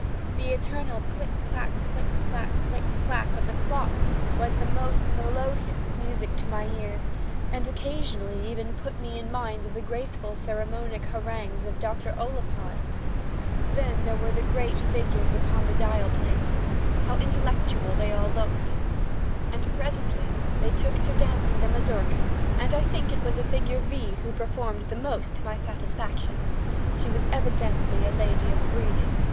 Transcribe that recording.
The eternal click clak, click clak, click clak of the clock was the most melodious of music in my ears, and occasionally even put me in mind of the graceful sermonic harangues of Dr. Ollapod. Then there were the great figures upon the dial plate—how intelligent how intellectual, they all looked! And presently they took to dancing the Mazurka, and I think it was the figure V. who performed the most to my satisfaction. She was evidently a lady of breeding.